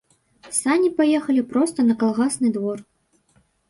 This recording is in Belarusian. Сані паехалі проста на калгасны двор.